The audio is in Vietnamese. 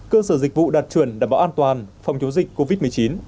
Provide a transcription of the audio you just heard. cơ sở dịch vụ đạt chuẩn đảm bảo an toàn phòng chống dịch covid một mươi chín